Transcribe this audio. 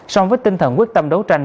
so với tinh thần quyết tâm đấu tranh